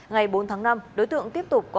ngày bốn tháng năm đối tượng tiếp tục có